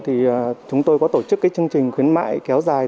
thì chúng tôi có tổ chức cái chương trình khuyến mại kéo dài